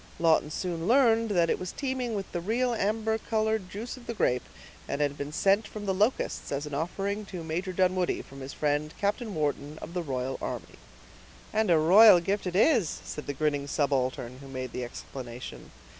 Lawton soon learned that it was teeming with the real amber colored juice of the grape, and had been sent from the Locusts, as an offering to Major Dunwoodie, from his friend Captain Wharton of the royal army. "And a royal gift it is," said the grinning subaltern, who made the explanation.